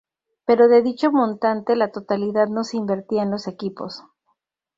Pero de dicho montante la totalidad no se invertía en los equipos.